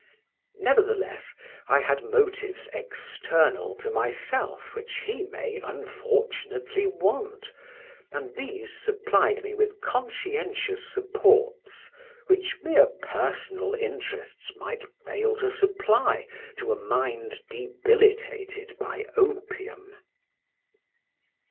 Nevertheless, I had motives external to myself which he may unfortunately want, and these supplied me with conscientious supports which mere personal interests might fail to supply to a mind debilitated by opium.